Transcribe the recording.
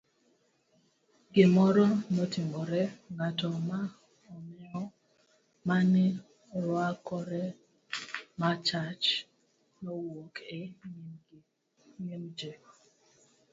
Gimoro notimore, ng'ato ma omewo mane oruakore machach, nowuok e nyim gi.